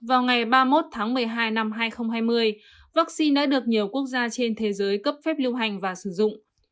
vào ngày ba mươi một tháng một mươi hai năm hai nghìn hai mươi vaccine đã được nhiều quốc gia trên thế giới cấp phép lưu hành và sử dụng